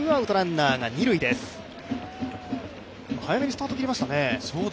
早めにスタートを切りましたね。